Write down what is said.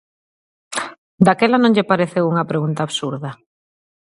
¿Daquela non lle pareceu unha pregunta absurda?